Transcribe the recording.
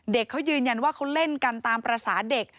เด็กเขายืนยันว่าเขาเล่นกันตามประสาทเด็ก